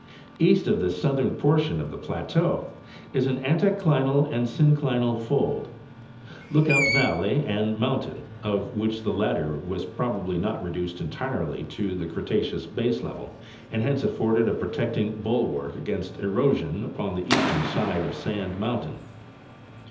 East of this southern part of the plateau is Drainage Adjustments about Chattanooga. 107 an anticlinal and synclinal fold—Lookout valley and moun tain—of which the latter was probably not reduced entirely to the Cretaceous baselevel, and hence afforded a protecting bul wark against erosion upon the eastern side of Sand mountain.